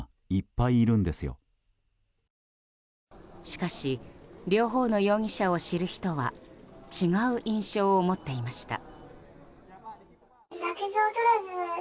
しかし両方の容疑者を知る人は違う印象を持っていました。